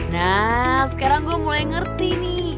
nah sekarang gue mulai ngerti nih